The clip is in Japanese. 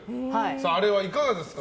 あれはいかがですか？